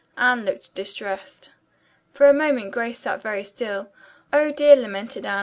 Anne looked distressed. For a moment Grace sat very still. "Oh, dear!" lamented Anne.